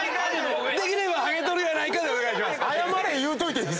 できれば「ハゲとるやないか」でお願いします。